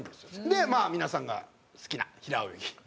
で皆さんが好きな平泳ぎ。